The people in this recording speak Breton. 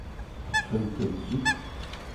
Ar feunteun zu.